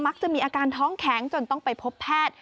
จะมีอาการท้องแข็งจนต้องไปพบแพทย์